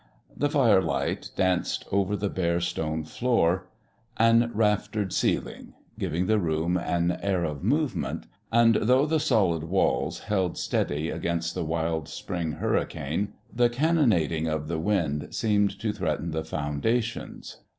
The firelight danced over the bare stone floor and raftered ceiling, giving the room an air of movement, and though the solid walls held steady against the wild spring hurricane, the cannonading of the wind seemed to threaten the foundations.